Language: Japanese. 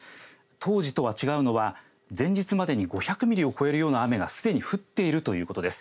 当時とは違うのは、前日までに５００ミリを超える量の雨がすでに降っているということです。